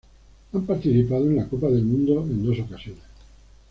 Han participado en la Copa del Mundo en dos ocasiones.